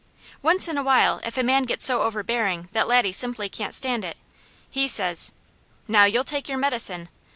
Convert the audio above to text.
Once in a while if a man gets so overbearing that Laddie simply can't stand it, he says: 'Now, you'll take your medicine!'